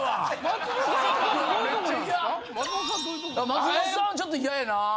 松本さんはちょっとイヤやなぁ。